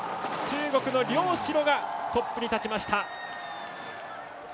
中国の梁子路がトップに立ちました。